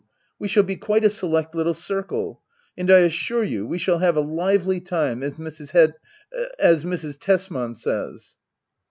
We shall be quite a select little circle. And I assure you we shall have a '^ lively time^" as Mrs. Hed — as Mrs. Tesman says.